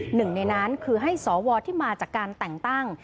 หนึ่งในนั้นคือให้สวที่มาจากการแต่งตั้ง